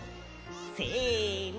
せの！